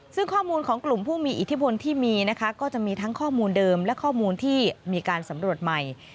ซึ่งข้อมูลของกลุ่มผู้มีอิทธิพลที่มีนะคะก็จะมีทั้งข้อมูลเดิมและข้อมูลที่มีการสำรวจใหม่